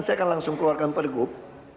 saya akan langsung keluarkan per gub